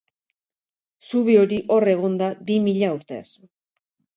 Zubi hori hor egon da bi mila urtez.